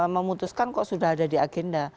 memutuskan kok sudah ada di agenda